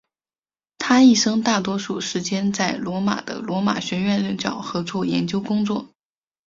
他一生大多数时间在罗马的罗马学院任教和做研究工作。